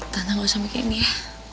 tante nggak usah mikirin dia